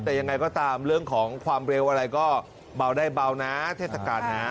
แต่ยังไงก็ตามเรื่องของความเร็วอะไรก็เบาได้เบานะเทศกาลนะ